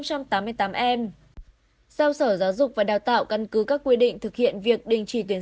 giao sở giáo dục và đào tạo căn cứ các quy định thực hiện việc đình chỉ tuyển